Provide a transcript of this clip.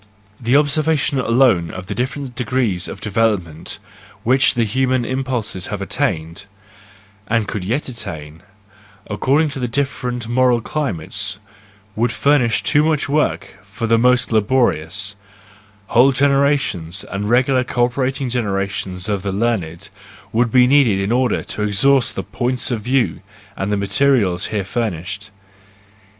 The observation alone of the different degrees of development which the human impulses have attained, and could yet attain, according to the different moral climates, would furnish too much work for the most laborious; whole generations, and regular co operating generations of the learned, would be needed in order to exhaust the points of view and the material here furnished.